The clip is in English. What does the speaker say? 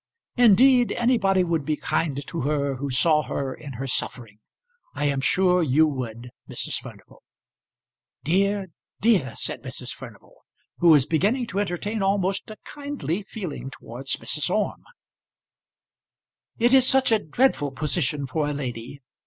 "Indeed anybody would be kind to her who saw her in her suffering. I am sure you would, Mrs. Furnival." "Dear, dear!" said Mrs. Furnival who was beginning to entertain almost a kindly feeling towards Mrs. Orme. "It is such a dreadful position for a lady.